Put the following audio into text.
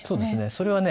それはね